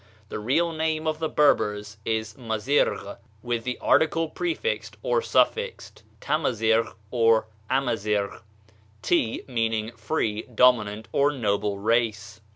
The real name of the Berbers is Mazirgh, with the article prefixed or suffixed T amazirgh or Amazirgh T meaning free, dominant, or 'noble race.'...